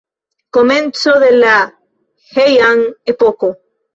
Komenco de la Heian-epoko.